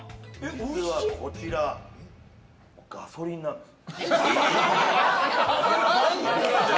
実はこちらガソリンなんです。